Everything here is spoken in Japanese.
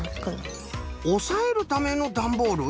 おさえるためのダンボール？